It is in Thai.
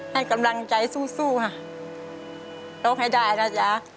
ให้กำลังใจสู้สู้ค่ะร้องให้ได้นะจ๊ะ